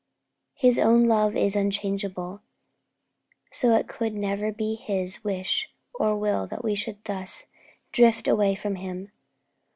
His own love is unchangeable, so it could never be His wish or will that we should thus drift away from Him.